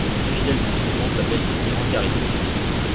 Les fidèles de ce mouvement s'appellent les Nirankaris.